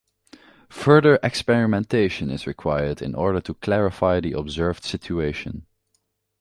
Further experimentation is required in order to clarify the observed situation.